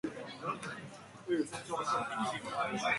猫雷也是神人了